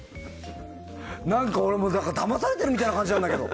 何か俺、だまされてるみたいな感じなんだけど。